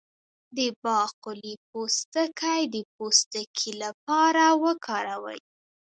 د باقلي پوستکی د پوستکي لپاره وکاروئ